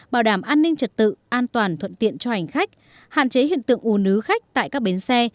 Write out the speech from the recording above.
bảo đảm an ninh trật tự an toàn thuận tiện cho hành khách hạn chế hiện tượng ù nứ khách tại các bến xe